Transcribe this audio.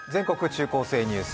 中高生ニュース」